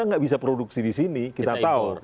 nggak bisa produksi di sini kita tahu